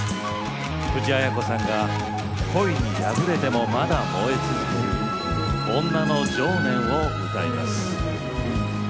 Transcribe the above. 藤あや子さんが恋に破れてもまだ燃え続ける女の情念を歌います。